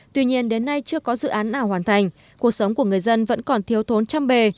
tuy nhiên đến nay chưa có dự án nào hoàn thành cuộc sống của người dân vẫn còn thiếu thốn trăm bề